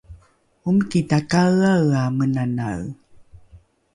omiki takaeaea menanae